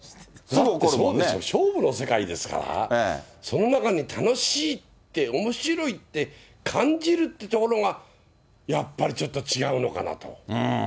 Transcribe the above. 勝負の世界ですから、その中に楽しいって、おもしろいって感じるってところが、やっぱりちょっと違うのかなと。